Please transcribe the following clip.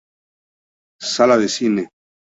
Sala de cine.